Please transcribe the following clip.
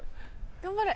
頑張れ。